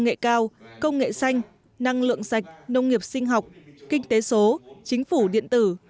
nghệ cao công nghệ xanh năng lượng sạch nông nghiệp sinh học kinh tế số chính phủ điện tử